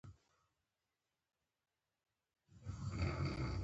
چوپتیا اختیار کړئ! چي د ژبي له شره په امن سئ.